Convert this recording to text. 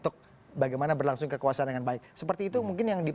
tapi habis jadi berikut ini